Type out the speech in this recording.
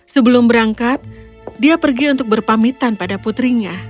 sebelum berangkat dia pergi untuk berpamitan pada putrinya